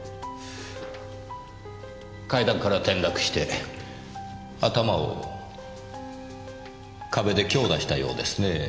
階段から転落して頭を壁で強打したようですねぇ。